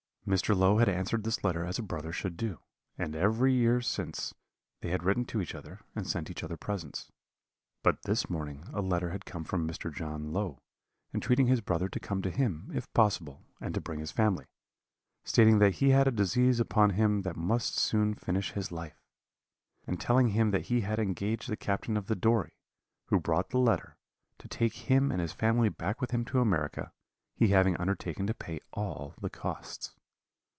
Mr. Low had answered this letter as a brother should do; and every year since, they had written to each other, and sent each other presents. But this morning a letter had come from Mr. John Low, entreating his brother to come to him, if possible, and to bring his family; stating that he had a disease upon him that must soon finish his life; and telling him that he had engaged the captain of the Dory, who brought the letter, to take him and his family back with him to America, he having undertaken to pay all the costs.